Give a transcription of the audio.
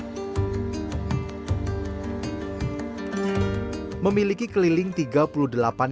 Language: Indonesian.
danau tondano memiliki keliling itu dan kemudian di bawahnya